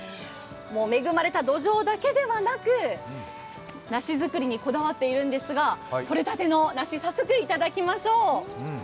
恵まれた土壌だけではなく梨作りにこだわっているんですがとれたけの梨、早速頂きましょう。